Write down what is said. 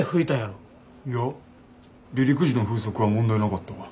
いや離陸時の風速は問題なかったわ。